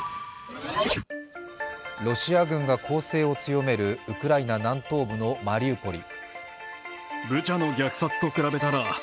ロシア軍が攻勢を強めるウクライナ南東部のマリウポリ。